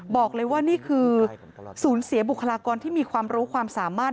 บอกเลยว่านี่คือสูญเสียบุคลากรที่มีความรู้ความสามารถ